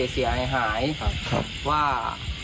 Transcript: เสียหายว่า